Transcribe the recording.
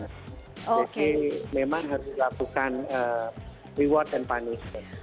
jadi memang harus dilakukan reward dan punishment